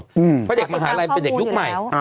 เพราะเด็กมหาลัยมันเป็นเด็กยุคใหม่